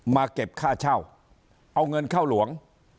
เก็บค่าเช่าเอาเงินเข้าหลวง